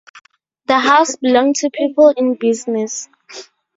The house belonged to people in business.